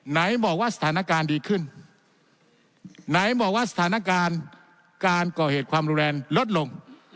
ไหนบอกว่าสถานการณ์ดีขึ้นการก่อเหตุความรุนแรงลดลง